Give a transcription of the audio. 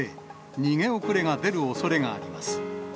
逃げ遅れが出るおそれがあります。